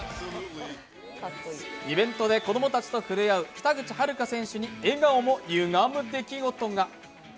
イベントで子供たちとふれあう北口榛花選手に笑顔もゆがむ出来事が。